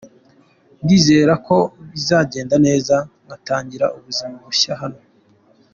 Ndizera ko bizagenda neza, nkatangira ubuzima bushya hano.